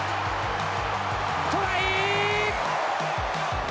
トライ！